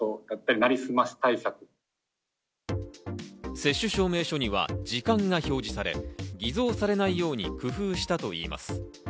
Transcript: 接種証明書には時間が表示され、偽造されないように工夫したといいます。